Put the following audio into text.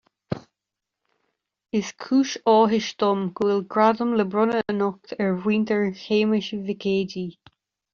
Is cúis áthais dom go bhfuil Gradam le bronnadh anocht ar Mhuintir Shéamuis Mhic Géidigh